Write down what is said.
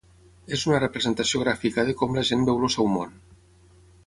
És una representació gràfica de con la gent veu el seu món.